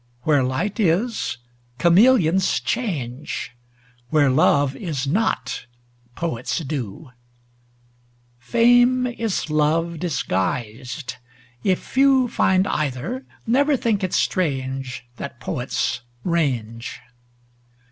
Where light is, chameleons change; Where love is not, poets do; Fame is love disguised; if few Find either, never think it strange That poets range.